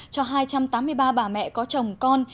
cho hai trăm tám mươi ba bà mẹ có chồng con